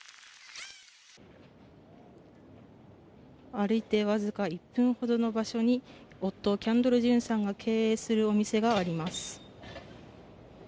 歩いて僅か１分ほどの場所に、夫、キャンドル・ジュンさんが経営するお店があります。